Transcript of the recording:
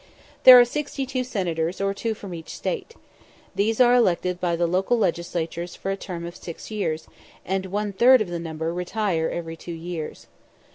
There are sixty two Senators, or two from each State. These are elected by the local legislatures for a term of six years, and one third of the number retire every two years.